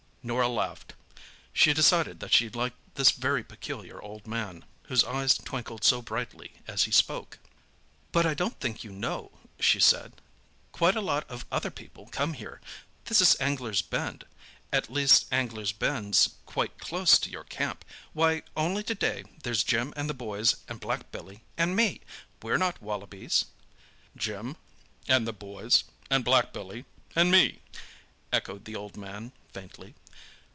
Norah laughed. She decided that she liked this very peculiar old man, whose eyes twinkled so brightly as he spoke. "But I don't think you know," she said. "Quite a lot of other people come here—this is Anglers' Bend. At least, Anglers' Bend's quite close to your camp. Why, only, to day there's Jim and the boys, and black Billy, and me! We're not wallabies!" "Jim—and the boys—and black Billy—and me!" echoed the old man faintly.